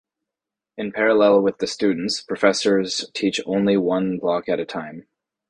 In parallel with the students, professors teach only one block at a time.